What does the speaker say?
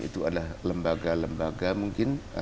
itu adalah lembaga lembaga mungkin